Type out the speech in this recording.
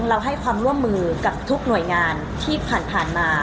เราให้ความร่วมมือกับทุกหน่วยงานที่ผ่านมา